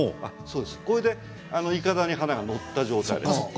これでいかだに花が乗った状態です。